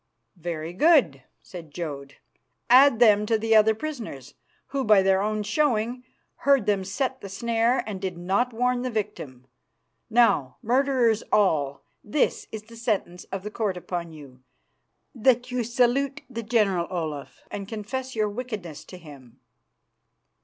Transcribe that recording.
"Very good," said Jodd. "Add them to the other prisoners, who by their own showing heard them set the snare and did not warn the victim. Now, murderers all, this is the sentence of the court upon you: That you salute the General Olaf and confess your wickedness to him."